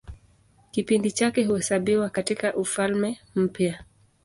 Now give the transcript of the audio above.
Kipindi chake huhesabiwa katIka Ufalme Mpya.